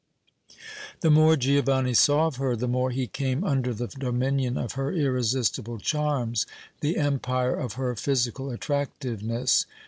The more Giovanni saw of her the more he came under the dominion of her irresistible charms, the empire of her physical attractiveness.